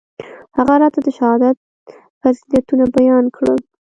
هغه راته د شهادت فضيلتونه بيان کړل.